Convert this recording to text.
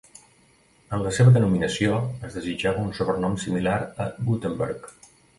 En la seva denominació, es desitjava un sobrenom similar a "Gutenberg".